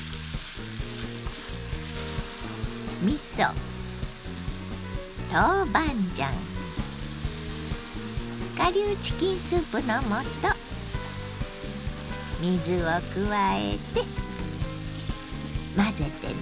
みそ豆板醤顆粒チキンスープの素水を加えて混ぜてね。